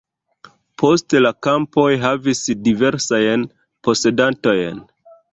Poste la kampoj havis diversajn posedantojn.